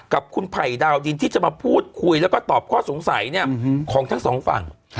กับคุณไผ่ดาวดินที่จะมาพูดคุยแล้วก็ตอบข้อสงสัยของทั้งสองฝั่ง